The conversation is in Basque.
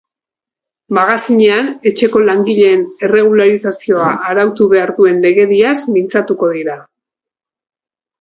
Magazinean, etxeko langileen erregularizazioa arautu behar duen legediaz mintzatuko dira.